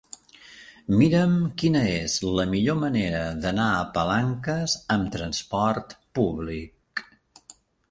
Mira'm quina és la millor manera d'anar a Palanques amb transport públic.